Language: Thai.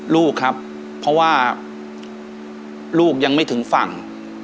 ลูกครับเพราะว่าลูกยังไม่ถึงฝั่ง